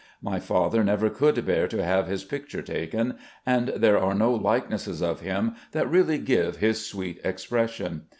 My father never could bear to have his picture taken, and there are no likenesses of him that really give his sweet expression.